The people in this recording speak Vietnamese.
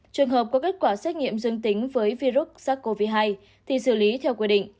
trường hợp có kết quả xét nghiệm dương tính với virus sars cov hai thì xử lý theo quy định